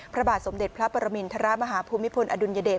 พระบาทสมเด็จพระปรมินทรมาฮภูมิพลอดุลยเดช